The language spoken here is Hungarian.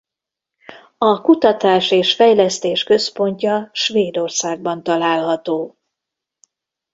A kutatás és fejlesztés központja Svédországban található.